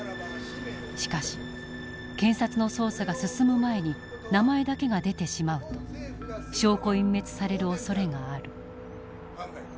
しかし検察の捜査が進む前に名前だけが出てしまうと証拠隠滅されるおそれがある。